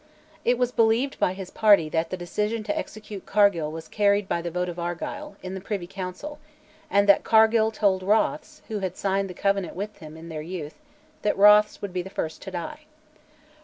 It was believed by his party that the decision to execute Cargill was carried by the vote of Argyll, in the Privy Council, and that Cargill told Rothes (who had signed the Covenant with him in their youth) that Rothes would be the first to die.